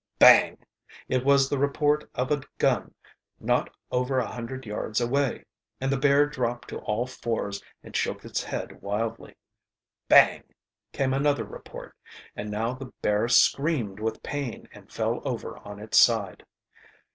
Bang! It was the report of a gun not over a hundred yards away, and the bear dropped to all fours and shook its head wildly. Bang! came another report, and now the bear screamed with pain and fell over on its side.